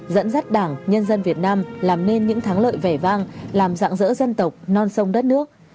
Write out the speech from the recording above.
dẫn dắt đảng nhân dân việt nam làm nên những thắng lợi vẻ vang làm dạng dỡ dân tộc non sông đất nước